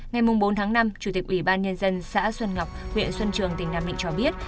ngày bốn tháng năm chủ tịch ủy ban nhân dân xã xuân ngọc huyện xuân trường tỉnh nam định cho biết